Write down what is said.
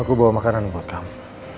aku bawa makanan buat kamu